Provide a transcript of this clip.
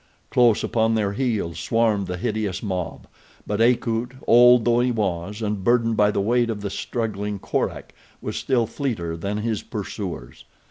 Close upon their heels swarmed the hideous mob; but Akut, old though he was and burdened by the weight of the struggling Korak, was still fleeter than his pursuers.